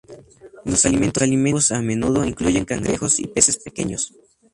Los alimentos vivos a menudo incluyen cangrejos y peces pequeños.